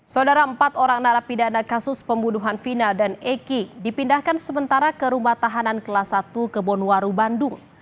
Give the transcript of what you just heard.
saudara empat orang narapidana kasus pembunuhan vina dan eki dipindahkan sementara ke rumah tahanan kelas satu kebonwaru bandung